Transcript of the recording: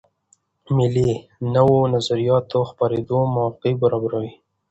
مېلې د نوو نظریاتو د خپرېدو موقع برابروي.